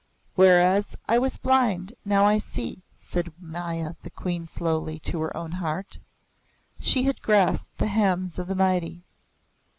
"Whereas I was blind, now I see," said Maya the Queen slowly to her own heart. She had grasped the hems of the Mighty.